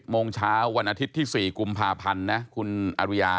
โมงเช้าวันอาทิตย์ที่๔กุมภาพันธ์นะคุณอริยา